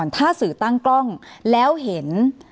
ถ้าสื่อตั้งกล้องแล้วเห็น